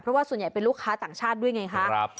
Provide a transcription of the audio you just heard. เพราะว่าส่วนใหญ่เป็นลูกค้าต่างชาติด้วยไงคะ